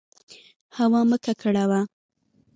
هوا مه ککړوه.